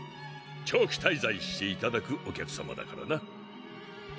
長期滞在していただくお客様だからな。